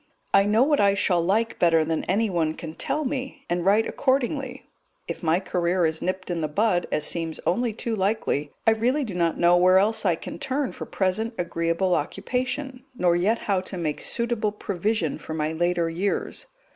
I know what I shall like better than anyone can tell me, and write accordingly; if my career is nipped in the bud, as seems only too likely, I really do not know where else I can turn for present agreeable occupation, nor yet how to make suitable provision for my later years.